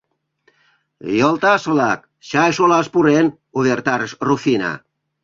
— Йолташ-влак, чай шолаш пурен! — увертарыш Руфина.